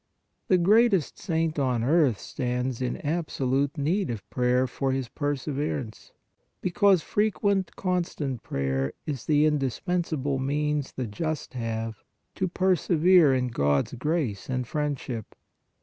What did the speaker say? The greatest saint on earth stands in absolute, need of prayer for his perseverance, because fre quent, constant prayer is the indispensable means the just have to persevere in God s grace and friend ship.